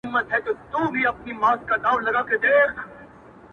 که ستا د مخ شغلې وي گراني زړه مي در واری دی ـ